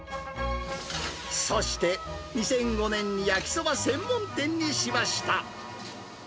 そして、２００５年に焼きそば専門店にしました。